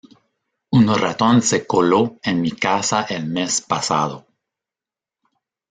Un ratón se coló en mi casa el mes pasado.